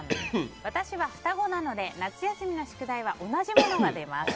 私は双子なので、夏休みの宿題は同じものが出ます。